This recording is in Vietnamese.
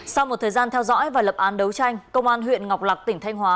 sau một thời gian theo dõi và lập án đấu tranh công an huyện ngọc lạc tỉnh thanh hóa